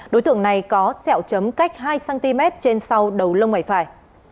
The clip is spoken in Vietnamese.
đối tượng này có sẹo chấm cách hai cm trên sau đầu lông mày phải